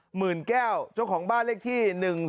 หมื่นแก้วเจ้าของบ้านเลขที่๑๔